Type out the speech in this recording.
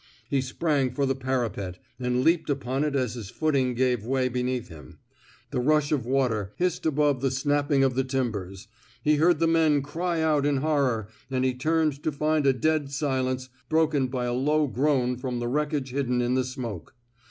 He sprang for the parapet and leaped upon it as his foot ing gave way beneath him; the rush of water hissed above the snapping of the tim bers; he heard the men cry out in horror; 164 COEEIGAN'S PROMOTION and he turned to find a dead silence broken by a low groan from the wreckage hidden in the smoke.